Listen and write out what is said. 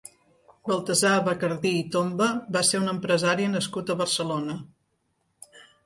Baltasar Bacardí i Tomba va ser un empresari nascut a Barcelona.